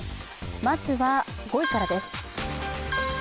まずは５位からです。